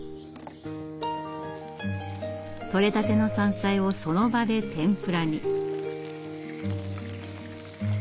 取れたての山菜をその場で天ぷらに。